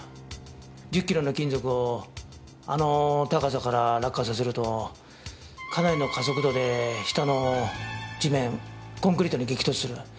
１０キロの金属をあの高さから落下させるとかなりの加速度で下の地面コンクリートに激突する。